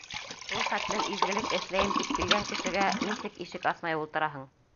Шул хәтлем изгелек эшләйем тип килгән кешегә нисек ишек асмай ултыраһың.